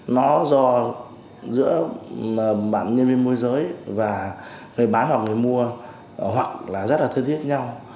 nó do giữa bạn nhân viên môi giới và người bán hoặc người mua hoặc là rất là thân thiết nhau